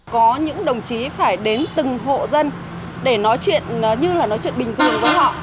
có những đồng chí phải đến từng hộ dân để nói chuyện như là nói chuyện bình thường với họ